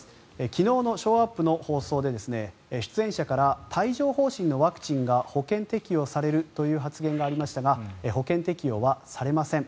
昨日のショーアップの放送で出演者から帯状疱疹のワクチンが保険適用されるという発言がありましたが保険適用はされません。